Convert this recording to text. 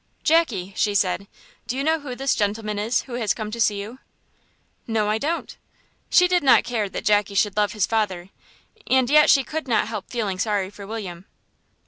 "Jackie," she said, "do you know who this gentleman is who has come to see you?" "No, I don't." She did not care that Jackie should love his father, and yet she could not help feeling sorry for William.